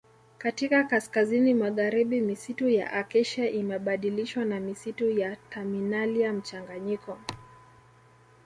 Katika kaskazini magharibi misitu ya Acacia imebadilishwa na misitu ya Terminalia mchanganyiko